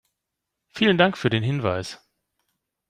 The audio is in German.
Vielen Dank für den Hinweis.